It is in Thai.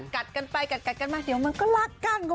กัดกันไปกัดกันมาเดี๋ยวมันก็รักกัน